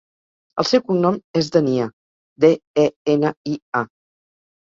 El seu cognom és Denia: de, e, ena, i, a.